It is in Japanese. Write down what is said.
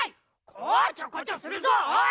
こちょこちょするぞおい！